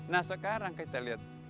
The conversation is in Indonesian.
nah sekarang kita lihat